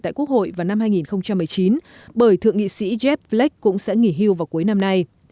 tại quốc hội vào năm hai nghìn một mươi chín bởi thượng nghị sĩ jef fleck cũng sẽ nghỉ hưu vào cuối năm nay